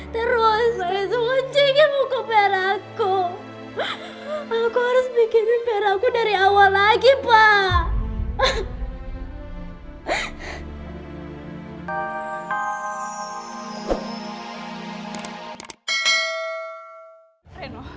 terus mencengang buku perakku aku harus bikin perakku dari awal lagi pak